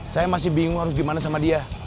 saya masih bingung harus gimana sama dia